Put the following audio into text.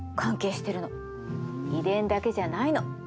遺伝だけじゃないの。